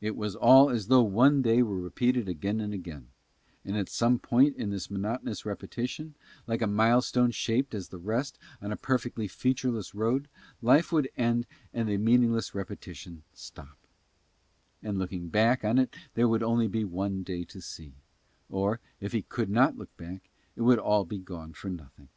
It was all as though one day were repeated again and again; and at some point in this monotonous repetition, like a milestone shaped as the rest on a perfectly featureless road, life would end and the meaningless repetition stop: and looking back on it there would only be one day to see, or, if he could not look back, it would be all gone for nothing.